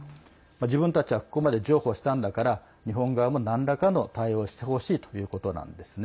自分たちはここまで譲歩したんだから日本側も、なんらかの対応をしてほしいということなんですね。